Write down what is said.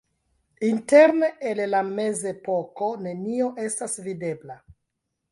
Interne el la mezepoko nenio estas videbla.